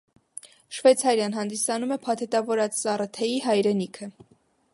Շվեյցարիան հանդիսանում է փաթեթավորված սառը թեյի հայրենիքը։